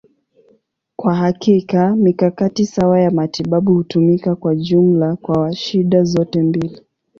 Kwa hakika, mikakati sawa ya matibabu hutumika kwa jumla kwa shida zote mbili.